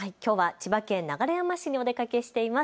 千葉県流山市にお出かけしています。